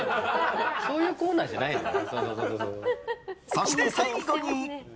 そして、最後に。